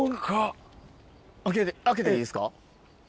開けていいですか？